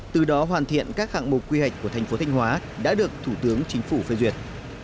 từ đó hoàn thiện các hạng mục quy hoạch của thành phố thanh hóa đã được thủ tướng chính phủ phê duyệt